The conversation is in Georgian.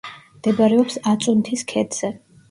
მდებარეობს აწუნთის ქედზე.